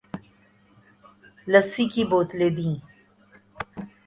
لسی کی بوتلیں دی ۔